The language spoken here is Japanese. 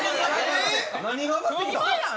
何が上がってきたん？